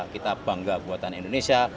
kita bangga buatan indonesia